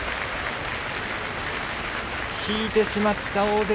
引いてしまった大関。